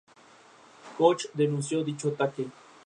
Koch denunció dicho ataque.